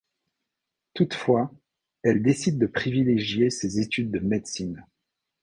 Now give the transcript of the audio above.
Toutefois, elle décide de privilégier ses études de médecine.